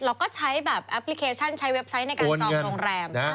เราก็ใช้แบบแอปพลิเคชันใช้เว็บไซต์ในการจองโรงแรม